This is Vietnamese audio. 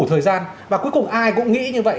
một thời gian và cuối cùng ai cũng nghĩ như vậy